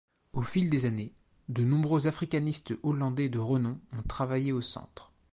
Au fil des années, de nombreux africanistes hollandais de renom ont travaillé au Centre.